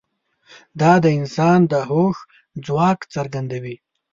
دا د انسان د هوښ ځواک څرګندوي.